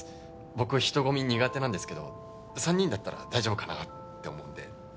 僕人混み苦手なんですけど３人だったら大丈夫かなあって思うんで。